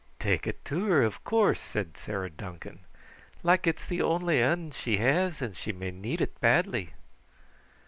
"Take it to her, of course!" said Sarah Duncan. "Like it's the only ane she has and she may need it badly."